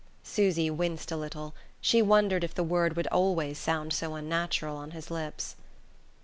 Susy winced a little: she wondered if the word would always sound so unnatural on his lips.